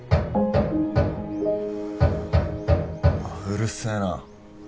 ・うるせえな。